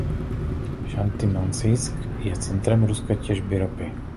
Chanty-Mansijsk je centrem ruské těžby ropy.